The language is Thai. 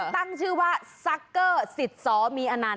ตั้งชื่อว่าซักเกอร์สิทธิ์สมีอนันต